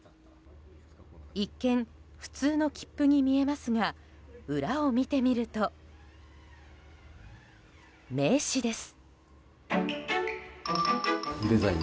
一見普通の切符に見えますが裏を見てみると名刺です。